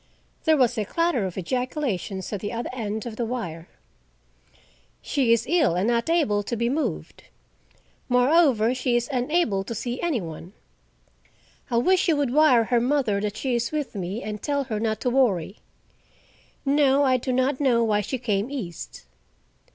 There was a clatter of ejaculations at the other end of the wire. "She is ill, and not able to be moved. Moreover, she is unable to see any one. I wish you would wire her mother that she is with me, and tell her not to worry. No, I do not know why she came east."